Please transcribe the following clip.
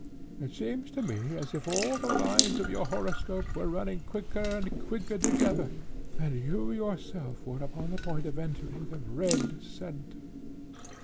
It seems to me as if all the lines of your horoscope were running quicker and quicker together, and you yourself were upon the point of entering the red centre.